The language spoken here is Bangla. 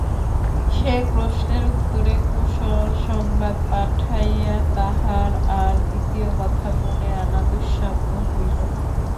সে প্রশ্নের উত্তরে কুশল-সংবাদ পাইয়া তাহার আর দ্বিতীয় কথা মনে আনা দুঃসাধ্য হইল।